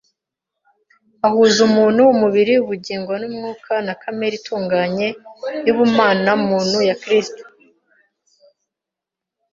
ahuza umuntu, umubiri, ubugingo n’umwuka na kamere itunganye y’ubumana-muntu ya Kristo